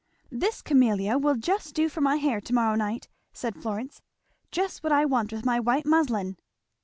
"This Camellia will just do for my hair to morrow night!" said Florence; "just what I want with my white muslin."